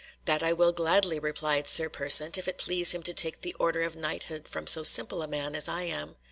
"That I will gladly," replied Sir Persant, "if it please him to take the order of knighthood from so simple a man as I am."